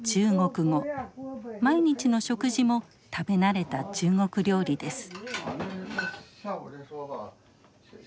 毎日の食事も食べ慣れた中国料理です。